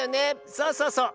そうそうそう。